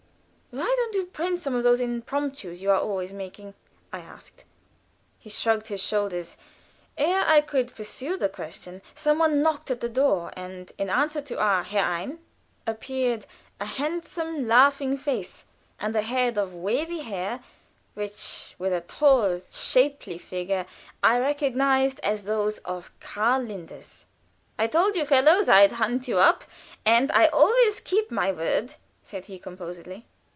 "Why don't you print some of those impromptus that you are always making?" I asked. He shrugged his shoulders. Ere I could pursue the question some one knocked at the door, and in answer to our herein! appeared a handsome, laughing face, and a head of wavy hair, which, with a tall, shapely figure, I recognized as those of Karl Linders. "I told you fellows I'd hunt you up, and I always keep my word," said he, composedly.